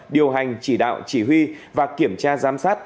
điều hành chỉ đạo chỉ huy và kiểm tra giám sát